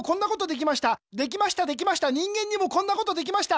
できましたできました人間にもこんなことできました。